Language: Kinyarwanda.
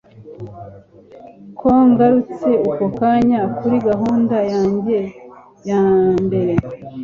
ko ngarutse ako kanya kuri gahunda yanjye yambere